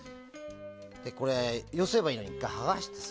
これ、よせばいいのに１回はがしてさ。